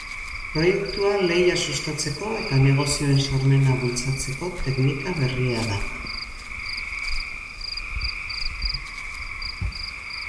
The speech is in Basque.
Proiektua lehia sustatzeko eta negozioen sormena bultzatzeko teknika berria da.